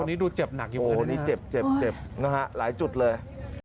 อันนี้ดูเจ็บหนักอยู่ไหมวันนี้เจ็บเจ็บนะฮะหลายจุดเลย